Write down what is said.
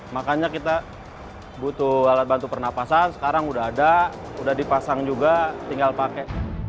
makanya kita butuh alat bantu pernapasan sekarang udah ada udah dipasang juga tinggal pakai